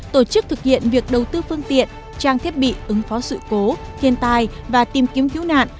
tổ chức thực hiện việc đầu tư phương tiện trang thiết bị ứng phó sự cố thiên tai và tìm kiếm cứu nạn